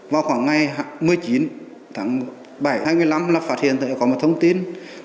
vào khoảng ngày một mươi chín tháng bảy hai mươi năm là phát hiện có một thông tin